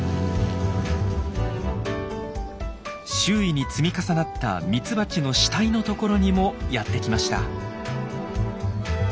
周囲に積み重なったミツバチの死体の所にもやって来ました。